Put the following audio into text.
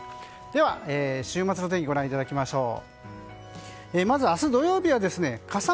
では、週末の天気ご覧いただきましょう。